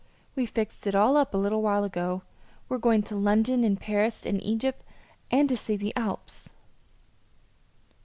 We fixed it all up a little while ago. We're going to London and Paris and Egypt and see the Alps."